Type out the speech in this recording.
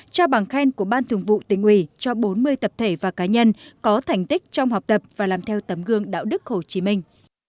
trao bằng khen của ban thường vụ tỉnh ủy cho bốn mươi tập thể và cá nhân có thành tích trong học tập và làm theo tấm gương đạo đức hồ chí minh